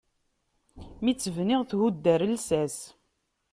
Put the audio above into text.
Mi tt-bniɣ, thudd ɣer llsas.